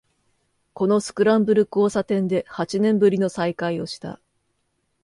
このスクランブル交差点で八年ぶりの再会をした